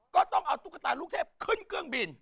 ก็ต้องเอาตุ๊กตาลูกเทพขึ้นเครื่องบิน